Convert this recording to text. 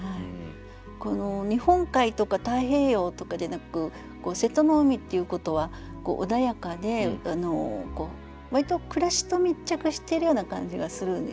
日本海とか太平洋とかでなく「瀬戸の海」っていうことは穏やかで割と暮らしと密着してるような感じがするんですね。